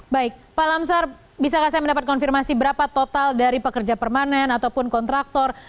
baik pak lamsar bisakah saya mendapat konfirmasi berapa total dari pekerja permanen ataupun kontraktor